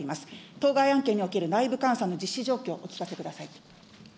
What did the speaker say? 当該案件における内部監査の実施状況、お聞かせください。